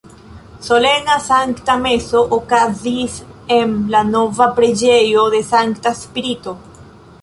Solena Sankta Meso okazis en la nova preĝejo de Sankta Spirito.